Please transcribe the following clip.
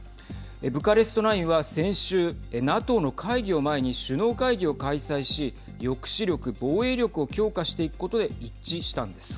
ブカレスト９は先週ＮＡＴＯの会議を前に首脳会議を開催し抑止力・防衛力を強化していくことで一致したんです。